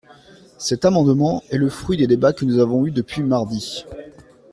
Cet amendement est le fruit des débats que nous avons eus depuis mardi.